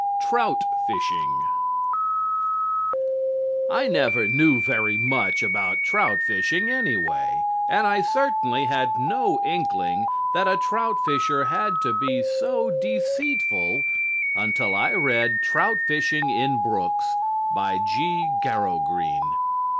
LI TROUT FISHING I never knew very much about trout fishing anyway, and I certainly had no inkling that a trout fisher had to be so deceitful until I read "Trout Fishing in Brooks," by G. Garrow Green.